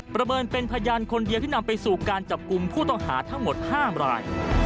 ประเมินเป็นพยานคนเดียวที่นำไปสู่การจับกลุ่มผู้ต้องหาทั้งหมด๕ราย